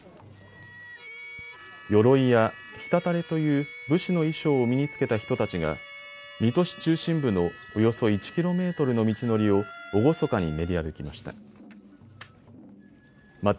よろいや、ひたたれという武士の衣装を身に着けた人たちが水戸市中心部のおよそ１キロメートルの道のりを厳かに練り歩きました。